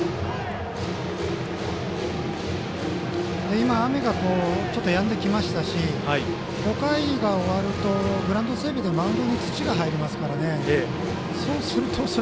今、雨がちょっとやんできましたし５回が終わるとグラウンド整備でマウンドに土が入りますから。